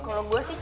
kalau gue sih c